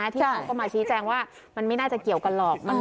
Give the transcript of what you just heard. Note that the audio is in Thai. ที่เขาก็มาชี้แจงว่ามันไม่น่าจะเกี่ยวกันหรอก